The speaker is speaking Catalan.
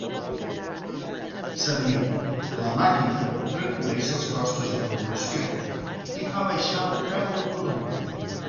S'ha dit: la màquina redueix els costos de producció, i fa baixar el preu del producte.